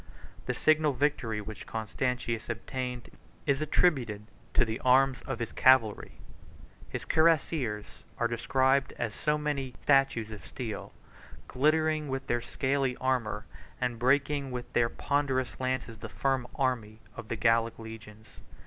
The signal victory which Constantius obtained is attributed to the arms of his cavalry. His cuirassiers are described as so many massy statues of steel, glittering with their scaly armor, and breaking with their ponderous lances the firm array of the Gallic legions.